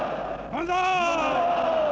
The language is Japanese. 万歳！